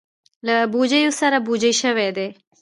له بوجیو سره بوجۍ شوي دي.